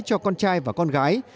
cho con trai và con gái